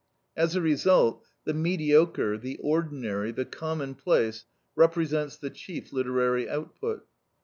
As a result, the mediocre, the ordinary, the commonplace represents the chief literary output.